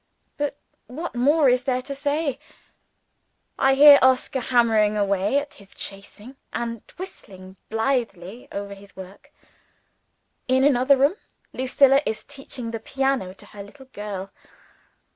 But what more is there to say? I hear Oscar hammering away at his chasing, and whistling blithely over his work. In another room, Lucilla is teaching the piano to her little girl.